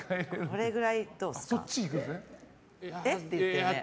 これぐらい、どうですか。